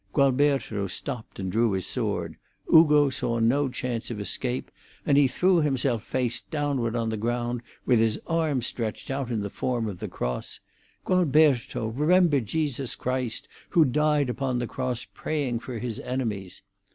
Gualberto stopped and drew his sword; Ugo saw no other chance of escape, and he threw himself face downward on the ground, with his arms stretched out in the form of the cross. 'Gualberto, remember Jesus Christ, who died upon the cross praying for His enemies.'